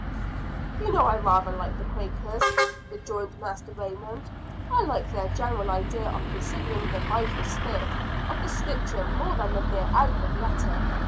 "You know I rather like the Quakers," rejoined Master Raymond. "I like their general idea of considering the vital spirit of the Scripture more than the mere outward letter.